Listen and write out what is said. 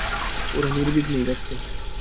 ওরা নির্বিঘ্নেই যাচ্ছে।